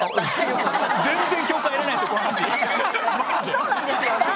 そうなんですよ。